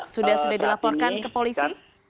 sudah sudah dilaporkan ke polisi